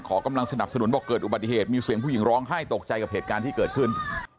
กำลังสนับสนุนบอกเกิดอุบัติเหตุมีเสียงผู้หญิงร้องไห้ตกใจกับเหตุการณ์ที่เกิดขึ้น